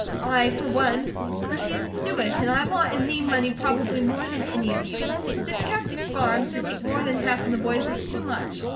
I, for one, refuse to do it, and I want and need money probably more than any of you. To tear up these farms, to take more than half from the boys, is too much.